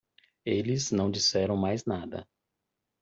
Eles não disseram mais nada.